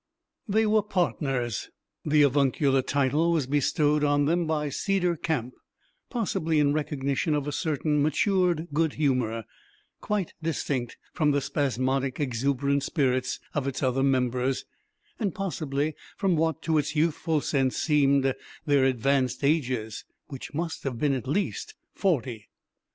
They were partners. The avuncular title was bestowed on them by Cedar Camp, possibly in recognition of a certain matured good humor, quite distinct from the spasmodic exuberant spirits of its other members, and possibly from what, to its youthful sense, seemed their advanced ages which must have been at least forty!